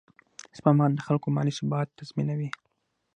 سپما د خلکو مالي ثبات تضمینوي.